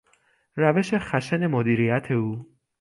روش خشن مدیریت او